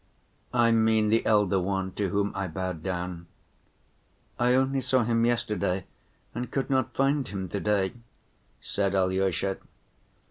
"I mean the elder one, to whom I bowed down." "I only saw him yesterday and could not find him to‐day," said Alyosha.